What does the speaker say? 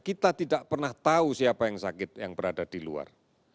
kita tidak pernah tahu siapa yang sakit yang berada di luar